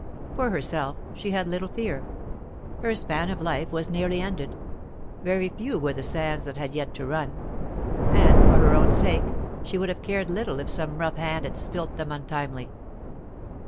For herself she had little fear. Her span of life was nearly ended; very few were the sands that had yet to run; and, for her own sake, she would have cared little if some rough hand had spilt them untimely.